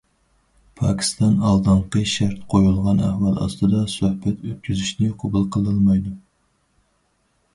پاكىستان ئالدىنقى شەرت قويۇلغان ئەھۋال ئاستىدا سۆھبەت ئۆتكۈزۈشنى قوبۇل قىلالمايدۇ.